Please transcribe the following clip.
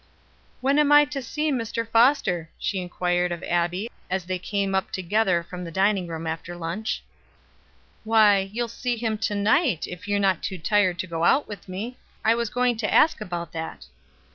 "When am I to see Mr. Foster?" she inquired of Abbie as they came up together from the dining room after lunch. "Why, you will see him to night, if you are not too tired to go out with me. I was going to ask about that."